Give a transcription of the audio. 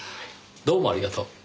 どうもありがとう。